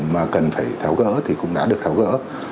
mà cần phải tháo gỡ thì cũng đã được tháo gỡ